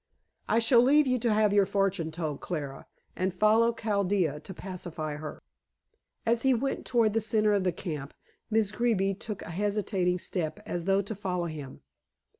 "I shall leave you to have your fortune told, Clara, and follow Chaldea to pacify her." As he went toward the centre of the camp, Miss Greeby took a hesitating step as though to follow him.